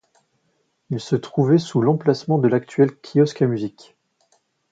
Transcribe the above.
Il se trouvait sous l'emplacement de l'actuel kiosque à musique.